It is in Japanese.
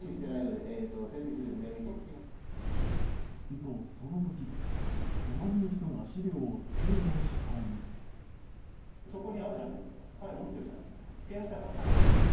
と、その時隣の人が資料を机の下に。